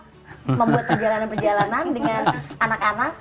membuat perjalanan perjalanan dengan anak anak